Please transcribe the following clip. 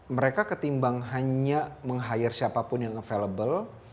mereka ketimbang hanya meng hire siapa pun yang available